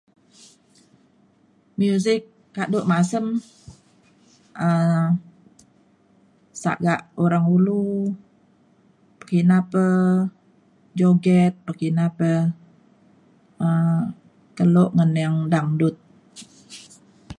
Music kadu' masem um saga Orang Ulu kina pe joget kina pe um kelok ngening dangdut.